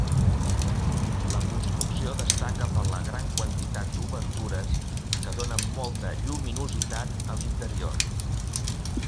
La construcció destaca per la gran quantitat d'obertures que donen molta lluminositat a l'interior.